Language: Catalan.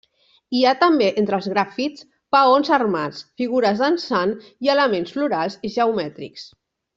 Hi ha també entre els grafits peons armats, figures dansant i elements florals i geomètrics.